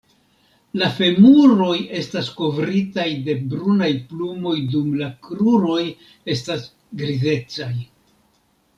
La femuroj estas kovritaj de brunaj plumoj dum la kruroj estas grizecaj.